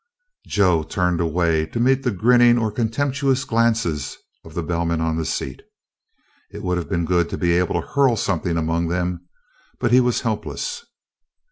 Joe turned away to meet the grinning or contemptuous glances of the bellmen on the seat. It would have been good to be able to hurl something among them. But he was helpless.